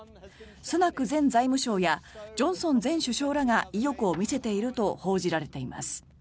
スナク元財務相やジョンソン前首相らが意欲を見せていると報じられています。